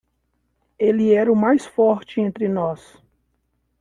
Ele era o mais forte entre nós.